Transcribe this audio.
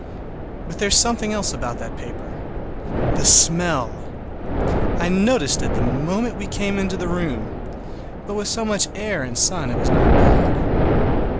But there is something else about that paper—the smell! I noticed it the moment we came into the room, but with so much air and sun it was not bad.